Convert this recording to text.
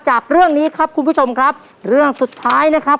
จากเรื่องนี้ครับคุณผู้ชมครับเรื่องสุดท้ายนะครับ